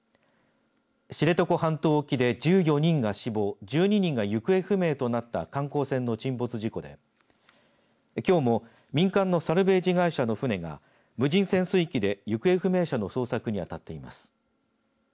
知床半島沖で１４人が死亡１２人が行方不明となった観光船の沈没事故できょうも民間のサルベージ会社の船が無人潜水機で行方不明者の捜索にあたっています。